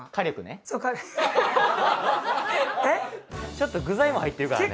ちょっと具材も入ってるからね。